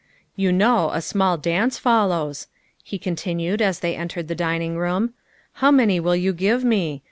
" You know a small dance follows," he continued as they entered the dining room. " How many will you give me